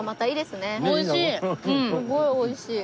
すごい美味しい。